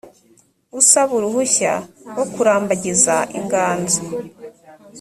usaba uruhushya rwo kurambagiza inganzo.